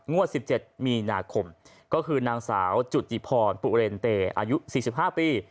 ๑๗มีนาคมก็คือนางสาวจุติพรปุเรนเตอายุ๔๕ปี